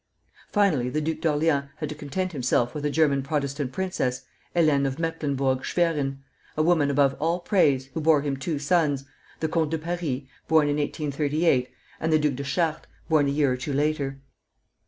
Finally, the Duke of Orleans had to content himself with a German Protestant princess, Hélène of Mecklenburg Schwerin, a woman above all praise, who bore him two sons, the Comte de Paris, born in 1838, and the Duc de Chartres, born a year or two later.